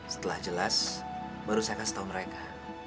setelah jelas baru saya kasih tahu mereka